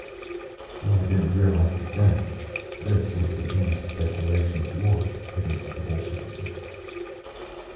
Though I didn't realize it then, this was the Duma's declaration of war against the Bolsheviki.